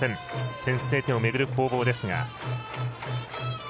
先制点を巡る攻防ですが。